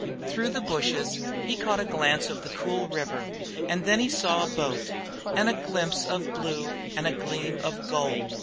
Through the bushes he caught a glance of the cool river, and then he saw a boat and a glimpse of blue and a gleam of gold.